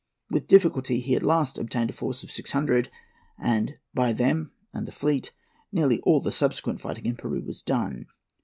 With difficulty he at last obtained a force of six hundred; and by them and the fleet nearly all the subsequent fighting in Peru was done.